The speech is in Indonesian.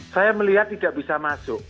saya melihat tidak bisa masuk